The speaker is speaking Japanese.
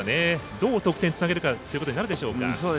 どう得点につなげるかということでしょうか。